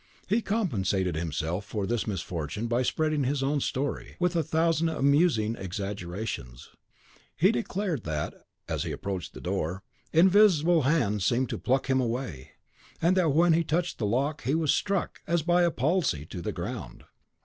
He compensated himself for this misfortune by spreading his own story, with a thousand amusing exaggerations. He declared that, as he approached the door, invisible hands seemed to pluck him away; and that when he touched the lock, he was struck, as by a palsy, to the ground.